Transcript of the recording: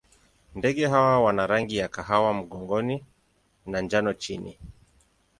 Ndege hawa wana rangi ya kahawa mgongoni na njano chini.